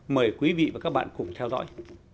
mời quý vị và các bạn cùng theo dõi